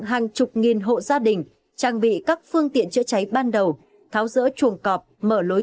hàng chục nghìn hộ gia đình trang bị các phương tiện chữa cháy ban đầu tháo rỡ chuồng cọp mở lối